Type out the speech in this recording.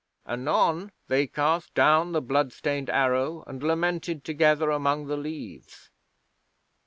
Anon they cast down the blood stained arrow, and lamented together among the leaves.